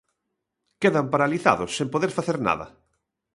Quedan paralizados sen poder facer nada.